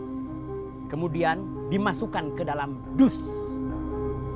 bawa ke saya harus dalam keadaan utuh jangan ada lecet kalau perlu bawa ke saya dalam keadaan dibungkus plastik